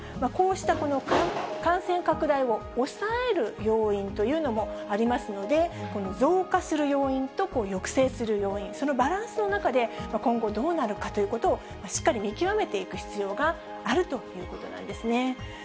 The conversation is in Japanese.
こうしたこの感染拡大を抑える要因というのもありますので、増加する要因と抑制する要因、そのバランスの中で今後、どうなるかということを、しっかり見極めていく必要があるということなんですね。